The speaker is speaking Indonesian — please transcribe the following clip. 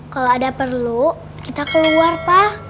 kalau ada perlu kita keluar pak